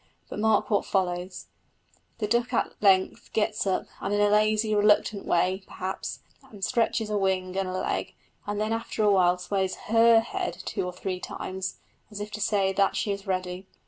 But mark what follows: The duck at length gets up, in a lazy, reluctant way, perhaps, and stretches a wing and a leg, and then after awhile sways her head two or three times, as if to say that she is ready.